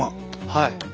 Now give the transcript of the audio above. はい。